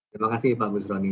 terima kasih pak gus rony